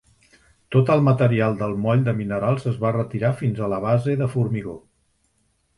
Tot el material del moll de minerals es va retirar fins a la base de formigó.